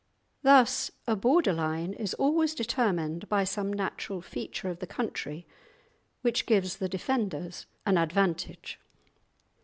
Thus, a border line is always determined by some natural feature of the country which gives the defenders an advantage.